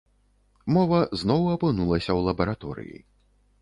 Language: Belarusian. Мова зноў апынулася ў лабараторыі.